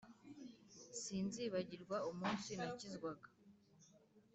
Sinzibagirwa umunsi nakizwaga